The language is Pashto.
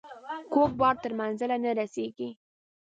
کوږ بار تر منزله نه رسیږي.